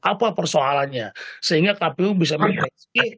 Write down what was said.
apa persoalannya sehingga kpu bisa memperbaiki